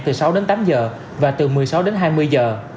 từ sáu đến tám giờ và từ một mươi sáu đến hai mươi giờ